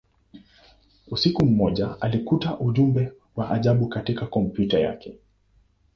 Usiku mmoja, alikutana ujumbe wa ajabu katika kompyuta yake.